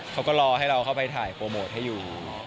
เขาก็รอให้เราเข้าไปถ่ายโปรโมทให้อยู่